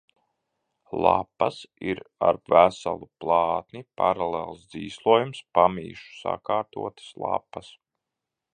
Lapas ir ar veselu plātni, paralēls dzīslojums, pamīšus sakārtotas lapas.